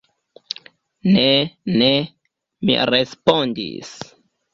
Ne, ne, mi respondis.